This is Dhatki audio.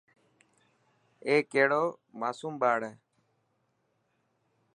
اي ڪهڙو ماصوم ٻاڙ هي.